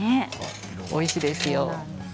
おいしいですよ。